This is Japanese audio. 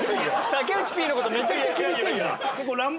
竹内Ｐの事めちゃくちゃ気にしてんじゃん。